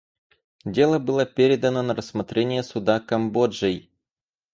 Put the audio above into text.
Дело было передано на рассмотрение Суда Камбоджей.